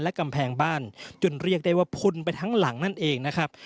และกำแพงบ้านจนเรียกได้ว่าพุนไปทั้งหลังนั่นเองนะครับ